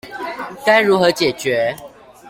該如何解決